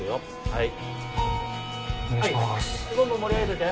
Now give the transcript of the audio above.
はい。